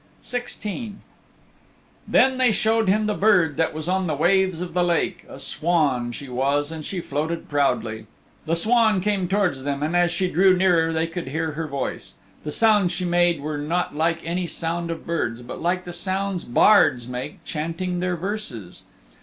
XVI Then they showed him the bird that was on the waves of the lake a swan she was and she floated proudly. The swan came towards them and as she drew nearer they could hear her voice. The sounds she made were not like any sound of birds, but like the sounds bards make chanting their verses.